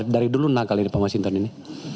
dari dulu nakal ini pak masinton ini